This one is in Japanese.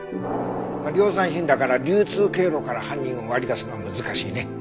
量産品だから流通経路から犯人を割り出すのは難しいね。